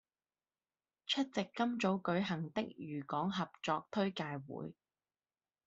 出席今早舉行的渝港合作推介會